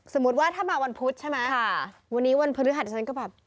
สมมุติว่าถ้ามาวันพุธใช่ไหมค่ะวันนี้วันพฤหัสฉันก็แบบ